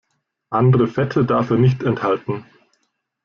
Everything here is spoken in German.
Andere Fette darf er nicht enthalten.